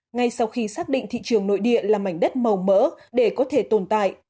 ngay sau khi xác định thị trường nội địa là mảnh đất màu mỡ để có thể tồn tại